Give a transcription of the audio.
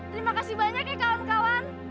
terima kasih banyak ya kawan kawan